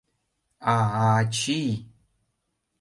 А-а, ачий!..